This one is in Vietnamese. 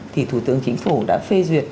thì thủ tướng chính phủ đã phê duyệt